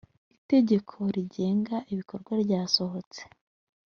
itegeko rigenga ibikorwa ryasohotse.